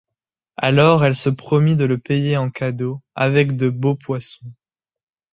Alors, elle se promit de le payer en cadeaux, avec de beaux poissons.